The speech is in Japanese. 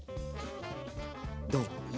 どう？